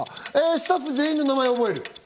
スタッフ全員の名前を覚える。